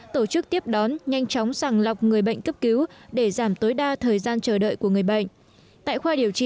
tổ chức tiếp đón nhanh chóng sàng lọc người bệnh cấp cứu để giảm tối đa thời gian chờ đợi của người bệnh